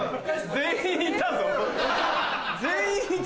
全員いたぞ今。